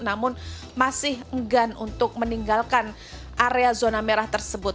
namun masih enggan untuk meninggalkan area zona merah tersebut